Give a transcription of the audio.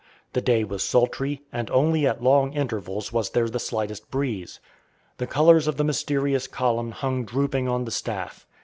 The day was sultry, and only at long intervals was there the slightest breeze. The colors of the mysterious column hung drooping on the staff.